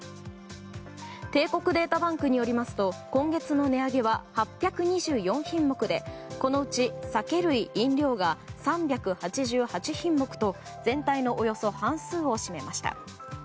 帝国データバンクによりますと今月の値上げは８２４品目でこのうち酒類・飲料が３８８品目と全体のおよそ半数を占めました。